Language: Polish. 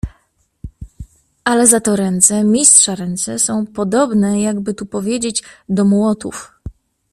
"Ale zato ręce... Mistrza ręce są podobne, jakby tu powiedzieć, do młotów."